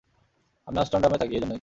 আমি আমস্টারডামে থাকি, এজন্যই।